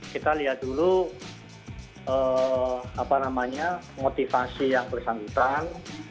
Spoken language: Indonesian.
kita lihat dulu motivasi yang bersangkutan